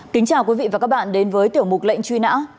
kính chào quý vị và các bạn đến với tiểu mục lệnh truy nã